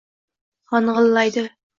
g’iyqillaydi…